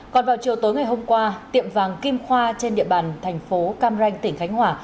còn vào chiều tối ngày hôm qua tiệm vàng kim khoa trên địa bàn thành phố cam ranh tỉnh khánh hòa